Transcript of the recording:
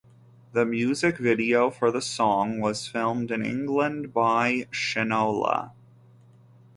The music video for the song was filmed in England by Shynola.